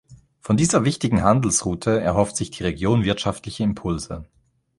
Von dieser wichtigen Handelsroute erhofft sich die Region wirtschaftliche Impulse.